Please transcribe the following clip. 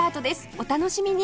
お楽しみに！